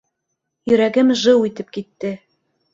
Йөрәгем жыу итеп китте.